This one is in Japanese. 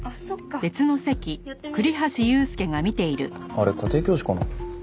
あれ家庭教師かな？